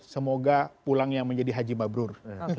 semoga pulangnya menjadi haji mabrur